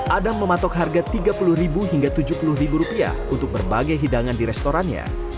adam mematok harga rp tiga puluh hingga rp tujuh puluh untuk berbagai hidangan di restorannya